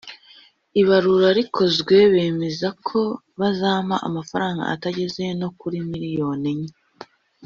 Ibarura rikozwe bemeza ko bazampa amafaranga atageze no kuri miliyoni enye